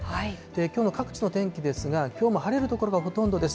きょうの各地の天気ですが、きょうも晴れる所がほとんどです。